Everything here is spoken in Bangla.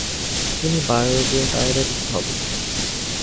তিনি বায়বীয় টায়ারের উদ্ভাবক।